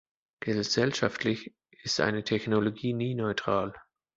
Gesellschaftlich ist eine Technologie nie neutral.